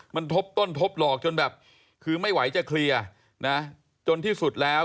มันทบต้นทบหลอกจนแบบคือไม่ไหวจะเคลียร์นะจนที่สุดแล้ว